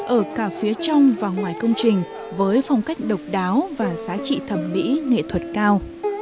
ở cả phía trong và ngoài công trình với phong cách độc đáo và giá trị thẩm mỹ nghệ thuật cao